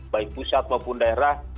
baik pusat maupun daerah